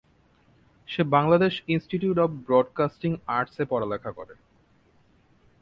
Say Bangladesh institute of broadcasting arts এ পড়ালেখা করে।